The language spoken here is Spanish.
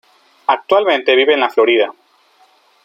Actualmente vive en La Florida.